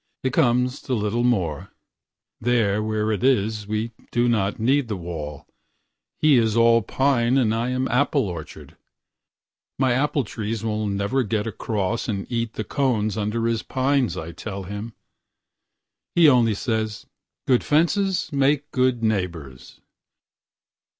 It comes to little more:There where it is we do not need the wall:He is all pine and I am apple orchard.My apple trees will never get acrossAnd eat the cones under his pines, I tell him. He only says, "Good fences make good neighbors."